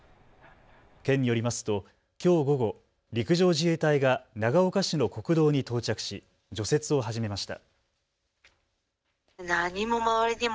県によりますときょう午後、陸上自衛隊が長岡市の国道に到着し除雪を始めました。